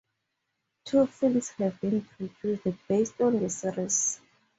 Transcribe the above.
Two films have been produced based on the series.